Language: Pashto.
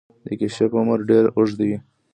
د کیشپ عمر ډیر اوږد وي